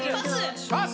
パス